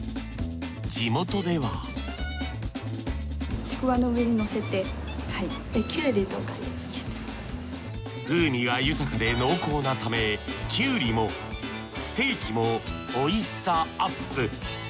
地元では風味が豊かで濃厚なためキュウリもステーキもおいしさアップ。